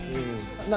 何？